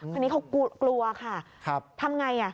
ทีนี้เขากลัวค่ะทำอย่างไร